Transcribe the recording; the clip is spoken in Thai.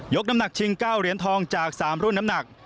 น้ำหนักชิง๙เหรียญทองจาก๓รุ่นน้ำหนัก